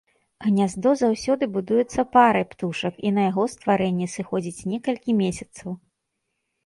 Гняздо заўсёды будуецца парай птушак, і на яго стварэнне сыходзіць некалькі месяцаў.